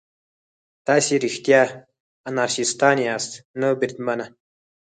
تاسې رښتیا انارشیستان یاست؟ نه بریدمنه.